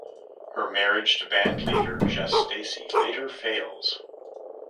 Her marriage to bandleader Jess Stacy later fails.